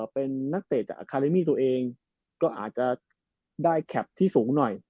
เป็นนักเตะจากอาคาเรมี่ตัวเองก็อาจจะได้แคปที่สูงหน่อย